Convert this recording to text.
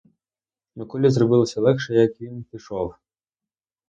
Миколі зробилось легше, як він пішов.